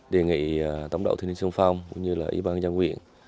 đề nghị tổng đạo thế niên sơn phong cũng như là ủy ban dân quyền